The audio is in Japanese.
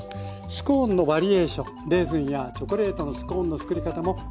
スコーンのバリエーションレーズンやチョコレートのスコーンの作り方もご紹介しています。